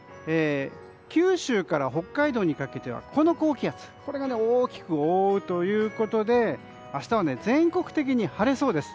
九州から北海道にかけてはこの高気圧これが大きく覆うということで明日は全国的に晴れそうです。